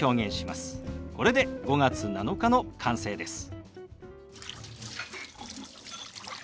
これで「５月７日」の完成です。